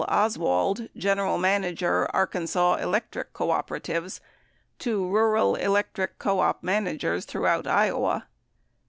Oswald, general manager, Arkansas Electric Cooperatives, 61 to rural electric co op managers throughout Iowa.